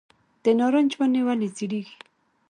د نارنج ونې ولې ژیړیږي؟